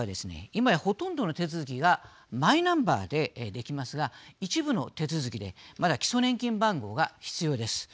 今や、ほとんどの手続きがマイナンバーでできますが一部の手続きでまだ基礎年金番号が必要です。